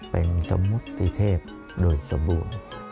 เป็นสมุสสิเทพโดยสบู่